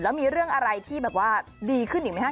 แล้วมีเรื่องอะไรที่ดีขึ้นอีกไหมคะ